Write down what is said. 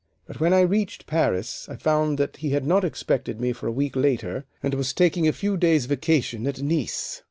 But when I reached Paris I found he had not expected me for a week later and was taking a few days' vacation at Nice.